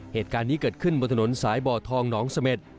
เหตุการณ์นี้เกิดขึ้นบนถนนสายบ่อทองหนองเสม็ด